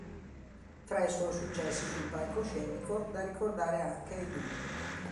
Fra i suoi successi sul palcoscenico, da ricordare anche "I do!